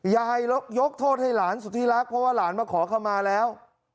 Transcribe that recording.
ยายยกโทษให้หลานสุธิรักษ์เพราะว่าหลานมาขอขมาแล้ว